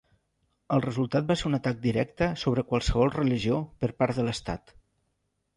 El resultat va ser un atac directe sobre qualsevol religió per part de l'Estat.